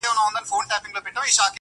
o دا کيسه درس ورکوي ډېر,